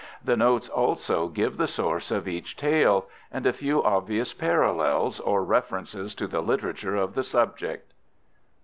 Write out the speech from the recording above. The Notes also give the source of each tale, and a few obvious parallels, or references to the literature of the subject.